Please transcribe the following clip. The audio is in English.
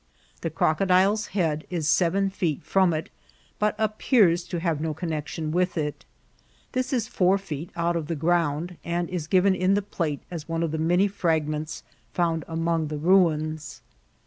The eroeodile's head is seven feet from it, but appears to have no connexion witfi it. This is {otBt feet out of the ground, and is given in the plate as one of the many fragments found among die ruins.